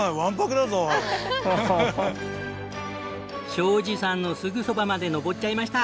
昭治さんのすぐそばまで登っちゃいました。